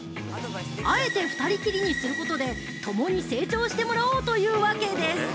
あえて２人きりにすることで共に成長してもらおうというわけです。